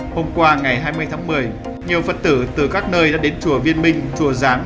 hôm qua ngày hai mươi tháng một mươi nhiều phật tử từ các nơi đã đến chùa viên minh chùa giáng